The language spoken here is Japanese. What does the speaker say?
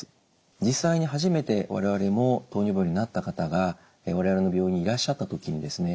実際に初めて我々も糖尿病になった方が我々の病院にいらっしゃった時にですね